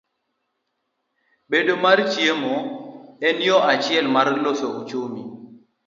Bedo mar chiemo, en yo achiel mar loso uchumi.